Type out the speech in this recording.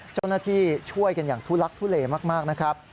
เจ้าหน้าที่ช่วยกันอย่างทุลัคทุเลมากนะครับ